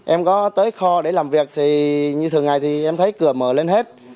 em có tới kho để làm việc thì như thường ngày thì em thấy cửa mở lên hết